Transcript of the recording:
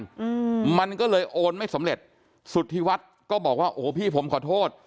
อืมมันก็เลยโอนไม่สำเร็จสุธิวัฒน์ก็บอกว่าโอ้โหพี่ผมขอโทษ